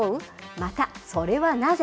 また、それはなぜ？